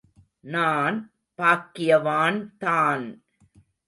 – நான் பாக்கியவான்தான்!